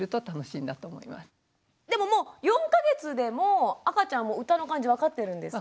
でももう４か月でも赤ちゃんも歌の感じ分かってるんですか？